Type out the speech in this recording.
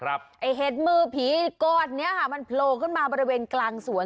ไอ้เห็ดมือผีก้อนนี้ค่ะมันโผล่ขึ้นมาบริเวณกลางสวน